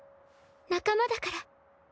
仲間だから。